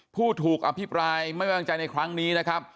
ผู้ถูกอภิปรายไม่วางใจในครั้งนี้นะครับ